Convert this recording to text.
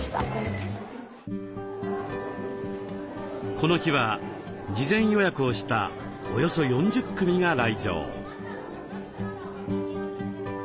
この日は事前予約をしたおよそ４０組が来場。